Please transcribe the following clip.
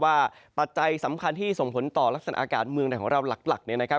ปัจจัยสำคัญที่ส่งผลต่อลักษณะอากาศเมืองไหนของเราหลักเนี่ยนะครับ